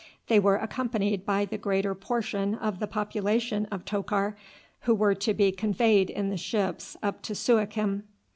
They were accompanied by the greater portion of the population of Tokar, who were to be conveyed in the ships up to Suakim.